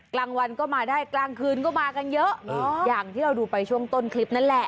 กลางวันก็มาได้กลางคืนก็มากันเยอะอย่างที่เราดูไปช่วงต้นคลิปนั่นแหละ